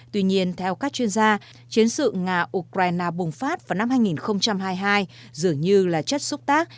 tuy nhiên theo các chuyên gia chiến sự nga ukraine bùng phát vào năm hai nghìn hai mươi hai dường như là chất xúc tác